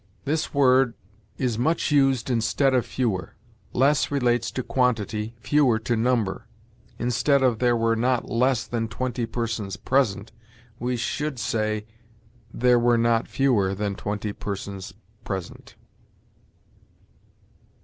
This word is much used instead of fewer. Less relates to quantity; fewer to number. Instead of, "There were not less than twenty persons present," we should say, "There were not fewer than twenty persons present."